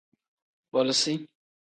Bolosiv.